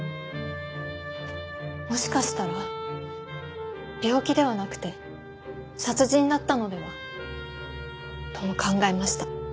もしかしたら病気ではなくて殺人だったのでは？とも考えました。